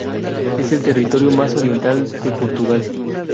Es el territorio más oriental de Portugal.